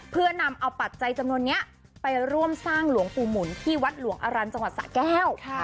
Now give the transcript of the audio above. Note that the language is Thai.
เพื่อนำเอาปัจจัยจำนวนนี้ไปร่วมสร้างหลวงปู่หมุนที่วัดหลวงอรันทจังหวัดสะแก้ว